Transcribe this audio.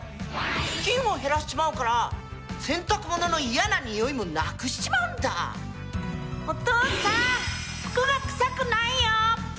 菌を減らしちまうから洗濯物の嫌なニオイもなくしちまうんだお父さん服が臭くないよ